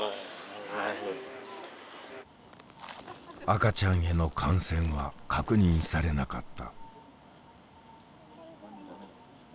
赤ちゃんへの感染は確認されなかった。